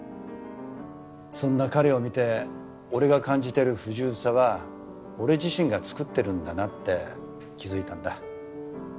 そんな彼を見て俺が感じてる不自由さは俺自身がつくってるんだなって気付いたんだ。